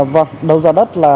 vâng đầu giá đất là